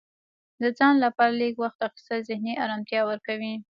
د ځان لپاره لږ وخت اخیستل ذهني ارامتیا ورکوي.